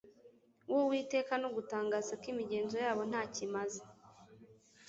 w’Uwiteka no gutangaza ko imigenzo yabo ntacyo imaze.